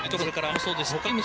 そうですね。